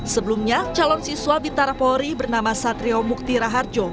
sebelumnya calon siswa bintara polri bernama satrio mukti raharjo